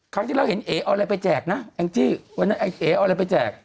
ครั้งที่เราเห็นเอ๋เอาอะไรไปแจกนะแองจี้วันนั้นไอ้เอ๋เอาอะไรไปแจก